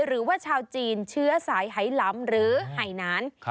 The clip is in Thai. หรือว่าชาวจีนเชื้อสายไหลำหรือไห่นาน